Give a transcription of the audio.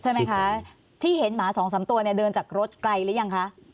ใช่ไหมคะที่เห็นหมาสองสามตัวเนี่ยเดินจากรถไกลหรือยังคะ